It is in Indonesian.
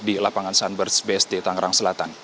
di lapangan sunburst bst tangerang selatan